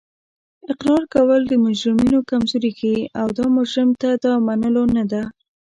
اقرار کول د مجرمینو کمزوري ښیي او دا مجرم ته د منلو نه ده